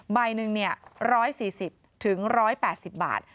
ใบหนึ่งเนี่ย๑๔๐ถึง๑๘๐บาท